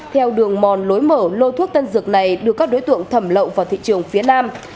theo đường mòn lối mở lô thuốc tân dược này đưa các đối tượng thẩm lậu vào thị trường phía nam